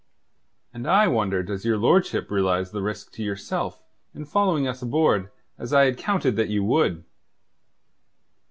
"And I wonder does your lordship realize the risk to yourself in following us aboard as I had counted that you would."